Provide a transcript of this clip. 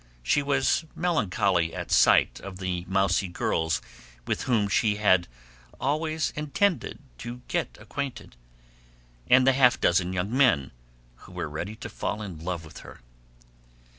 She was melancholy at sight of the mousey girls with whom she had "always intended to get acquainted," and the half dozen young men who were ready to fall in love with her.